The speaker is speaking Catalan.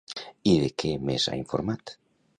I de què més ha informat?